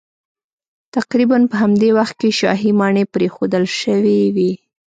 تقریبا په همدې وخت کې شاهي ماڼۍ پرېښودل شوې وې